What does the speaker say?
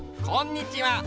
こんにちは！